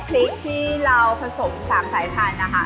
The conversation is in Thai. พริกที่เราผสม๓สายทานนะคะ